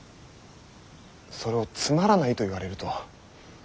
それをつまらないと言われると。